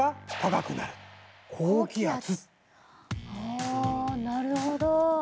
あなるほど。